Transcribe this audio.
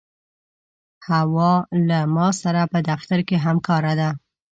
حوا له ما سره په دفتر کې همکاره ده.